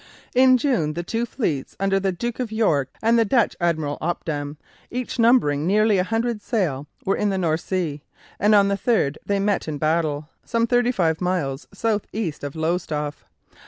In June the two fleets, under the Duke of York and the Dutch Admiral Opdam, each numbering nearly a hundred sail, were in the North Sea, and on the 3rd they met in battle, some thirty five miles south east of Lowestoft.